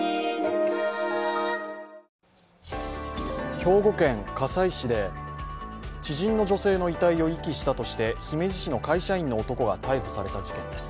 兵庫県加西市で知人の女性の遺体を遺棄したとして姫路市の会社員の男が逮捕された事件です。